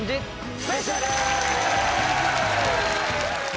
スペシャル！